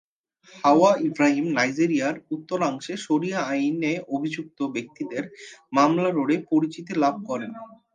হাওয়া ইব্রাহিম নাইজেরিয়ার উত্তরাংশে শরিয়া আইনে অভিযুক্ত ব্যক্তিদের মামলা লড়ে পরিচিতি লাভ করেন।